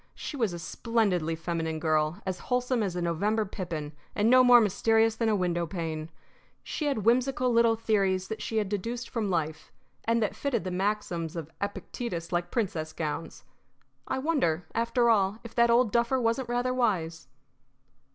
She was a splendidly feminine girl, as wholesome as a November pippin, and no more mysterious than a window pane. She had whimsical little theories that she had deduced from life, and that fitted the maxims of Epictetus like princess gowns. I wonder, after all, if that old duffer wasn't rather wise!